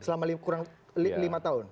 selama kurang lima tahun